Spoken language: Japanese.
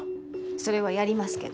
それはやりますけど。